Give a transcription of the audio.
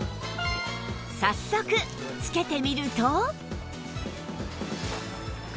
早速着けてみると